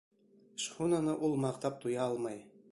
Шхунаны ул маҡтап туя алмай.